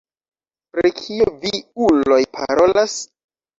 Pri kio vi uloj parolas?